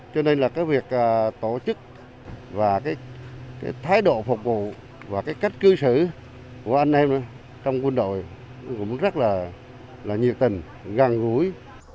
cho nên là cái việc tổ chức và cái thái độ phục vụ và cái cách cư xử của anh em trong quân đội cũng rất là nhiệt tình gần gũi